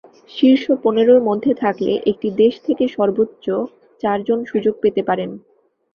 শীর্ষ পনেরোর মধ্যে থাকলে একটি দেশ থেকে সর্বোচ্চ চারজন সুযোগ পেতে পারেন।